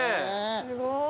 すごい。